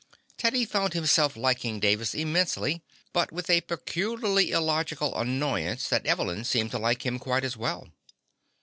Teddy found himself liking Davis immensely, but with a peculiarly illogical annoyance that Evelyn seemed to like him quite as well.